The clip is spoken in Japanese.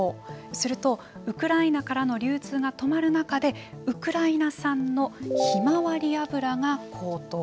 すると、ウクライナからの流通が止まる中でウクライナ産のひまわり油が高騰。